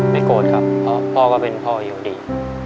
ไม่โกรธครับพ่อก็เป็นพ่ออยู่ดี